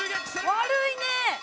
悪いね！